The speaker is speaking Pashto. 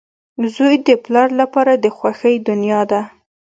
• زوی د پلار لپاره د خوښۍ دنیا ده.